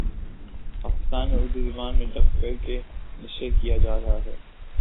پاکستان میں اردو زبان میں ڈب کر کے نشر کیا جارہا ہے